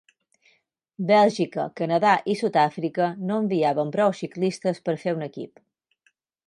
Bèlgica, Canadà i Sud-àfrica no enviaven prou ciclistes per fer un equip.